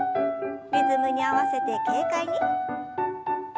リズムに合わせて軽快に。